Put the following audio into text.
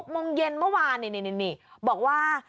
โมงเย็นเมื่อวานนี่บอกว่า